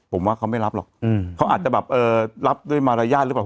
ผมว่าเขาไม่รับหรอกเขาอาจจะแบบเออรับด้วยมารยาทหรือเปล่า